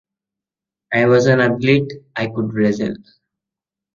I was an athlete, I could wrestle.